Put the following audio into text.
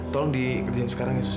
tolong dikerjain sekarang ya sus